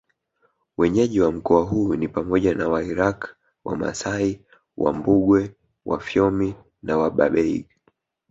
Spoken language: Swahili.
Wenyeji wa mkoa huu ni pamoja na Wairaqw Wamasai Wambugwe Wafyomi na Wabarbaig